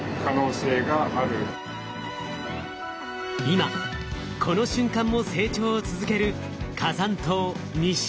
今この瞬間も成長を続ける火山島西之島。